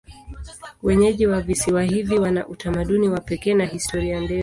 Wenyeji wa visiwa hivi wana utamaduni wa pekee na historia ndefu.